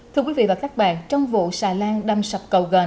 thưa quý vị và các bạn trong vụ xà lan đâm sập cầu gà